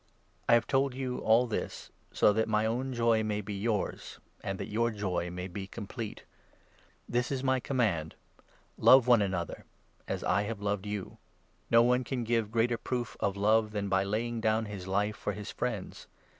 I have told you all this so that my n own joy may be yours, and that your joy may be complete. This is my command — Love one another, as I have loved 12 you. No one can give greater proof of love than by laying 13 down his life for his friends.